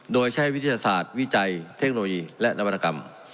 โดยใช้วิทยาศาสตร์วิจัยเทคโนโลยีและนวัตกรรม